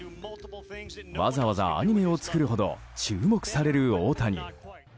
わざわざアニメを作るほど注目される大谷。